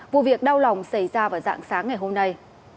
vụ việc đau lòng xảy ra vào dạng sáng ngày hôm nay